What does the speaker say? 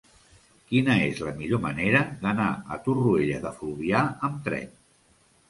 Quina és la millor manera d'anar a Torroella de Fluvià amb tren?